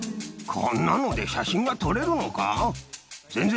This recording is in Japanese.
こんなので写真が撮れるのか？